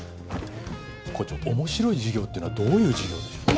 校長面白い授業っていうのはどういう授業でしょう？